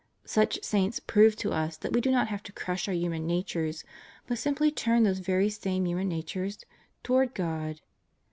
Such saints prove to us that we do not have to crush our human natures, but simply turn those very same human natures toward God.